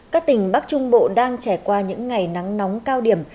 các tỉnh bắc trung bộ đang trải qua những ngày nắng nóng cao điểm